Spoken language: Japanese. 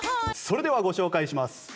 それではご紹介します。